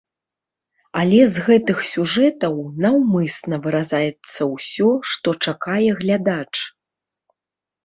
Але з гэтых сюжэтаў наўмысна выразаецца ўсё, што чакае глядач.